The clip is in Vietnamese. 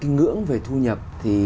ngưỡng về thu nhập